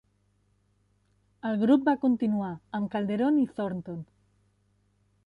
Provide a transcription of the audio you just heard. El grup va continuar, amb Calderón i Thornton.